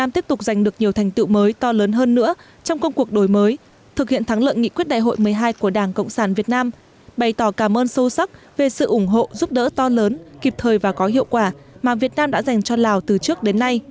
thực hiện thắng lợn nghị quyết đại hội một mươi hai của đảng cộng sản việt nam bày tỏ cảm ơn sâu sắc về sự ủng hộ giúp đỡ to lớn kịp thời và có hiệu quả mà việt nam đã dành cho lào từ trước đến nay